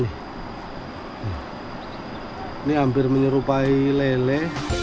ini hampir menyerupai lele